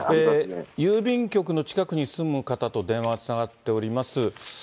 郵便局の近くに住む方と電話がつながっております。